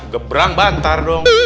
gebrang bantar dong